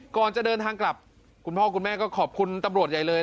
ก่อนจะเดินทางกลับคุณพ่อคุณแม่ก็ขอบคุณตำรวจใหญ่เลย